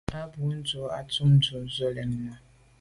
A bwô ndù o tum dù’ z’o lem nà.